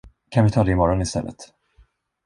Kan vi ta det imorgon istället?